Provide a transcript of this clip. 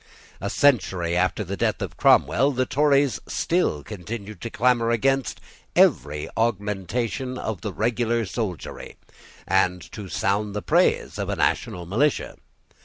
A century after the death of Cromwell, the Tories still continued to clamour against every augmentation of the regular soldiery, and to sound the praise of a national militia.